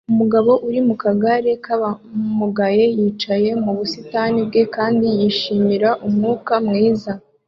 Umugabo uri mu kagare k'abamugaye yicaye mu busitani bwe kandi yishimira umwuka mwiza